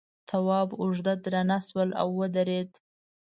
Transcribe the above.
تواب اوږه درنه شوه او ودرېد.